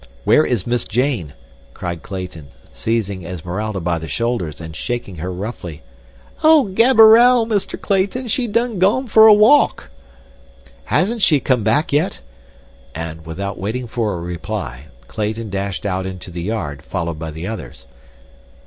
"Where is Miss Jane?" cried Clayton, seizing Esmeralda by the shoulders and shaking her roughly. "Oh, Gaberelle, Mister Clayton, she done gone for a walk." "Hasn't she come back yet?" and, without waiting for a reply, Clayton dashed out into the yard, followed by the others.